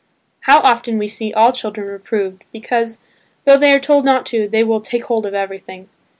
How often we see all children reproved because, though they are told not to, they will "take hold of everything."